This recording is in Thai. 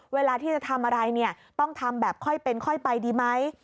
เวลาที่จะทำอะไรเนี่ยต้องทำแบบค่อยเป็นค่อยไปดีไหม